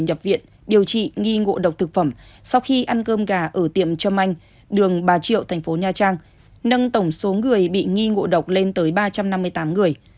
nhập viện điều trị nghi ngộ độc thực phẩm sau khi ăn cơm gà ở tiệm trâm anh đường bà triệu thành phố nha trang nâng tổng số người bị nghi ngộ độc lên tới ba trăm năm mươi tám người